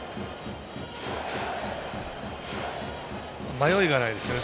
迷いがないですよね